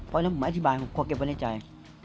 เพราะฉะนั้นผมอธิบายผมขอเก็บไว้ในใจ